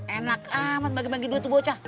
enak amat bagi bagi dua tuh bocah